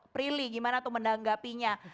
prilly gimana tuh menanggapinya